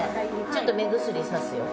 ちょっと目薬差すよ。